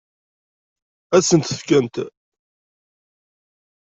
Ad sent-t-fkent?